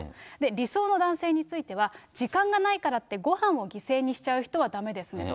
理想の男性については、時間がないからって、ごはんを犠牲にしちゃう人はだめですと。